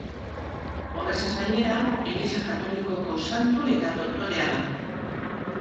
Horrezaz gainera, Eliza Katolikoko santu eta doktorea da.